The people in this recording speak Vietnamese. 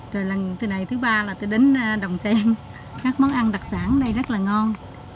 rồi lần thứ ba là tôi đến đồng xen các món ăn đặc sản ở đây rất là ngon